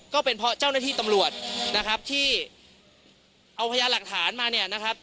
ก็เป็นเพราะเจ้าหน้าที่ตำรวจนะครับที่เอาพยานหลักฐานมาเนี่ยนะครับ